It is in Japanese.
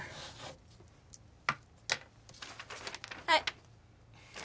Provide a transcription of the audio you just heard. はい。